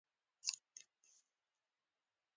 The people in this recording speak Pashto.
د نږدې اړیکو له لارې نظم ساتل کېږي.